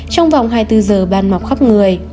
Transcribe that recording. trong vòng hai mươi bốn giờ ban mọc khắp người